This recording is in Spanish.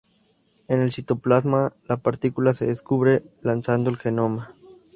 En el citoplasma, la partícula se descubre, lanzando el genoma.